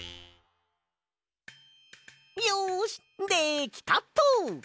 よしできたっと。